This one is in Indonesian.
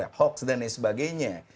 terganggu oleh hoaks dan lain sebagainya